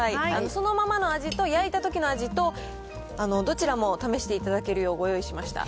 そのままの味と、焼いたときの味と、どちらも試していただけるよう、ご用意しました。